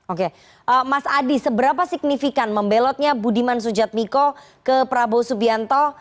oke mas adi seberapa signifikan membelotnya budiman sujatmiko ke prabowo subianto